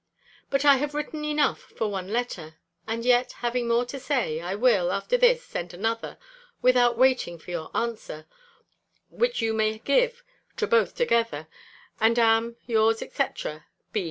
But I have written enough for one letter; and yet, having more to say, I will, after this, send another, without waiting for your answer, which you may give to both together; and am, yours, &c. B.